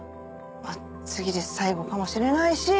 次で最後かもしれないし